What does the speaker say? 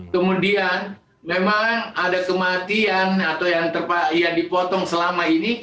kemudian memang ada kematian atau yang dipotong selama ini